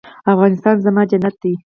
افغانستان زما جنت دی؟